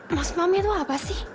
mas mami itu apa sih